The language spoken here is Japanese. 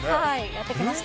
やってきました。